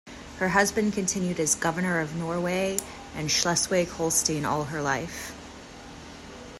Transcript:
Her husband continued as Governor of Norway and Schleswig Holstein all her life.